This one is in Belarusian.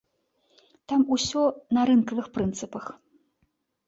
Там усё на рынкавых прынцыпах.